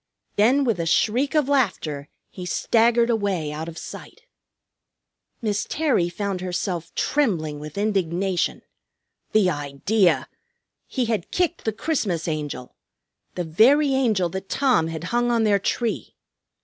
Then with a shriek of laughter he staggered away out of sight. Miss Terry found herself trembling with indignation. The idea! He had kicked the Christmas Angel, the very Angel that Tom had hung on their tree!